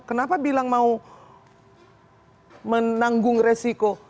kenapa bilang mau menanggung resiko